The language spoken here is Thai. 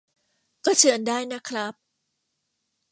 ก็เชิญได้นะครับ